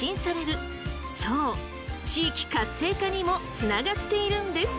そう地域活性化にもつながっているんです！